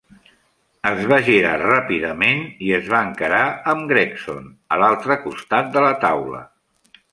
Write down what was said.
Es va girar ràpidament i es va encarar amb Gregson a l'altre costat de la taula.